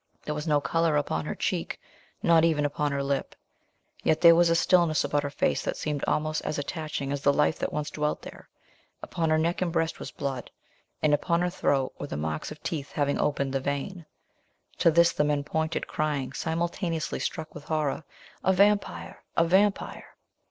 There was no colour upon her cheek, not even upon her lip; yet there was a stillness about her face that seemed almost as attaching as the life that once dwelt there: upon her neck and breast was blood, and upon her throat were the marks of teeth having opened the vein: to this the men pointed, crying, simultaneously struck with horror, "A Vampyre! a Vampyre!"